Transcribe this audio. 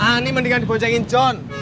ini mendingan diboncengin john